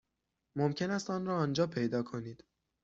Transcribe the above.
ممکن است آن را آنجا پیدا کنید.